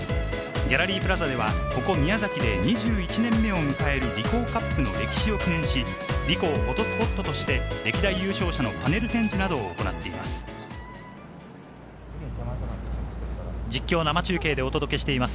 ギャラリープラザではここ宮崎で２１年目を迎えるリコーカップの歴史を記念し、リコーフォトスポットとして歴代優勝者のパネル展示などを行っています。